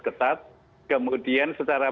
ketat kemudian secara